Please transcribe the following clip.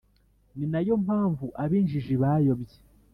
ni na yo mpamvu ab’injiji bayobye.